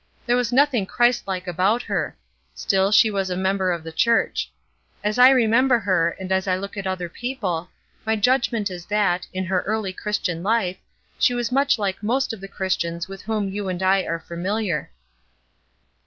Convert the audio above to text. There was nothing Christlike about her; still she was a member of the Church. As I remember her, and as I look at other people, my judgment is that, in her early Christian life, she was much like most of the Christians with whom you and I are familiar."